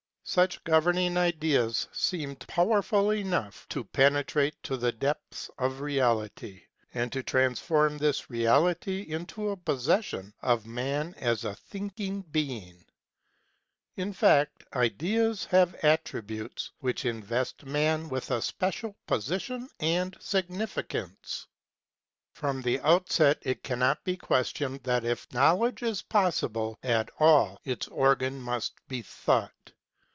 Such governing ideas seemed powerful enough to penetrate to the depth of Reality, and to transform this Reality into a possession of man as a thinking being. In fact, ideas have attributes which invest man with a special position and significance. 29 30 KNOWLEDGE AND LIFE From the outset it cannot be questioned that if Knowledge be possible at all its organ must be Thought.